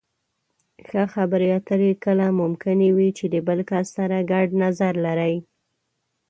ښه خبرې اترې کله ممکنې وي چې د بل کس سره ګډ نظر لرئ.